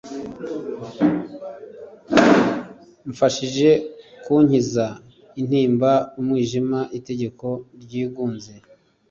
mfashije kunkiza intimba umwijima, itegeko ryigunze,